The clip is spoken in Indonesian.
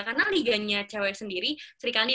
karena liganya cewek sendiri sri kandi